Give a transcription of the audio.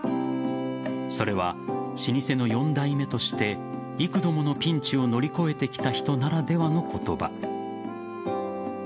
それは老舗の４代目として幾度ものピンチを乗り越えてきた人ならではの言葉。